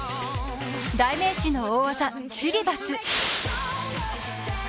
代名詞の大技・シリバス。